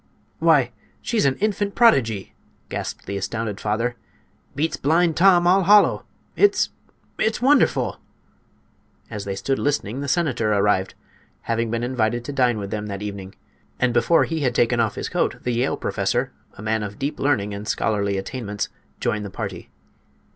"Why, she's an infant prodigy!" gasped the astounded father. "Beats Blind Tom all hollow! It's—it's wonderful!" As they stood listening the senator arrived, having been invited to dine with them that evening. And before he had taken off his coat the Yale professor—a man of deep learning and scholarly attainments—joined the party.